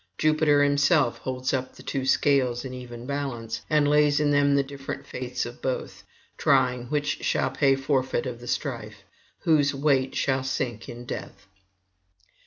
Jupiter himself holds up the two scales in even balance, and lays in them the different fates of both, trying which shall pay forfeit of the strife, whose weight shall sink in death.